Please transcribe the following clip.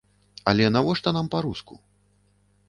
Але навошта нам па-руску?